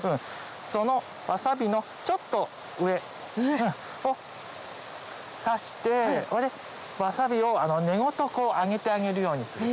そのわさびのちょっと上を挿してわさびを根ごと上げてあげるようにする。